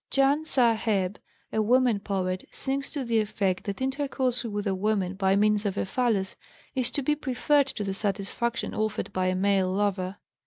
Ján S'áheb, a woman poet, sings to the effect that intercourse with a woman by means of a phallus is to be preferred to the satisfaction offered by a male lover.